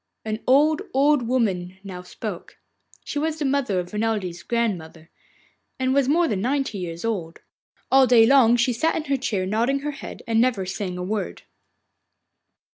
An old, old woman now spoke: she was the mother of Renelde's grandmother, and was more than ninety years old. All day long she sat in her chair nodding her head and never saying a word.